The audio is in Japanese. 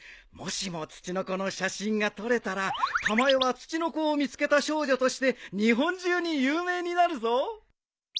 もしもツチノコの写真が撮れたらたまえはツチノコを見つけた少女として日本中に有名になるぞ！